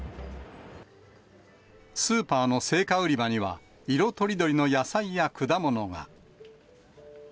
スーパーの青果売り場には、色とりどりの野菜や果物が。